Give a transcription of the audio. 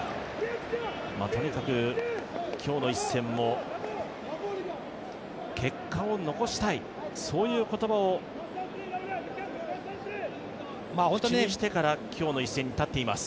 とにかく今日の一戦も結果を残したい、そういう言葉を口にしてから今日の一戦に立っています。